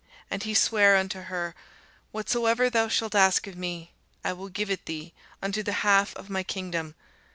And he sware unto her, Whatsoever thou shalt ask of me, I will give it thee, unto the half of my kingdom.